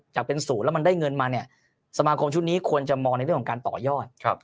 เป็นศูนย์แล้วมันได้เงินมาเนี่ยสมาคมชุดนี้ควรจะมองในเรื่องของการต่อยอด